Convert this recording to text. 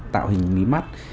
tạo hình mí mắt